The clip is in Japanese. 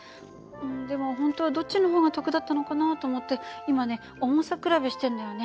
でも本当はどっちの方が得だったのかなと思って今ね重さ比べしてんのよね。